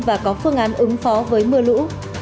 và có phương án ứng phó với mưa lũ